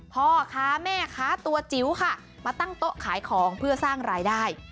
พ่อค้าแม่ค้าตัวจิ๋วค่ะมาตั้งโต๊ะขายของเพื่อสร้างรายได้